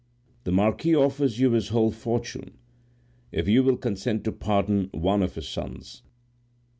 "The marquis offers you his whole fortune, if you will consent to pardon one of his sons."